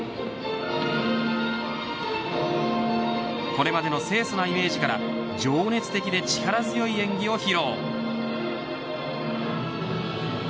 これまでの清そなイメージから情熱的で力強い演技を披露。